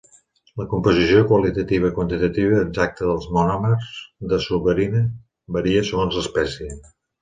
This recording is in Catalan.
La composició qualitativa i quantitativa exacta dels monòmers de suberina varia segons l'espècie.